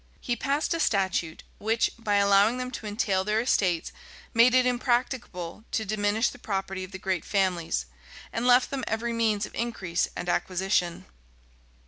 He passed a statute which, by allowing them to entail their estates, made it impracticable to diminish the property of the great families, and left them every means of increase and acquisition.